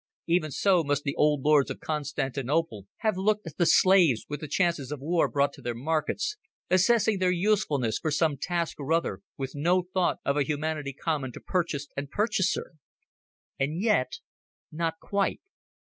Even so must the old lords of Constantinople have looked at the slaves which the chances of war brought to their markets, assessing their usefulness for some task or other with no thought of a humanity common to purchased and purchaser. And yet—not quite.